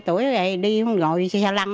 chín mươi hai tuổi rồi đi không ngồi xe lăn